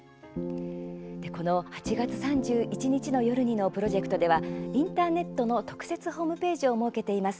この「＃８月３１日の夜に。」のプロジェクトではインターネットの特設ホームページを設けています。